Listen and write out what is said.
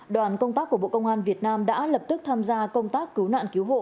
đoàn công tác của bộ công an việt nam đã lập tức tham gia công tác cứu nạn cứu hộ